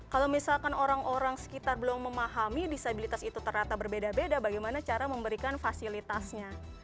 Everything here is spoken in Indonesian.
kalau misalkan orang orang sekitar belum memahami disabilitas itu ternyata berbeda beda bagaimana cara memberikan fasilitasnya